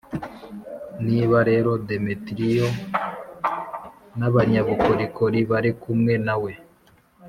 Niba rero Demetiriyo n abanyabukorikori bari kumwe na we